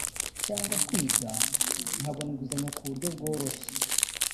cyangwa kwiga nkabona inguzanyo ku buryo bworoshye